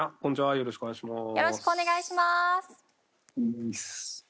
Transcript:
よろしくお願いします。